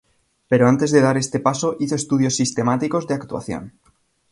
Pero antes de dar este paso hizo estudios sistemáticos de actuación.